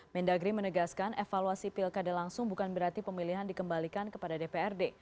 mendagri menegaskan evaluasi pilkada langsung bukan berarti pemilihan dikembalikan kepada dprd